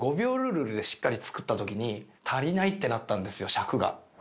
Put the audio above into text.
尺が。